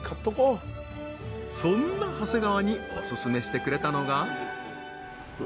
［そんな長谷川にお薦めしてくれたのが］